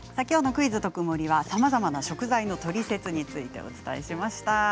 きょうの「クイズとくもり」はさまざまな食材のトリセツについてお伝えしました。